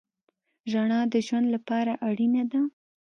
رڼا د ژوند لپاره اړینه ده.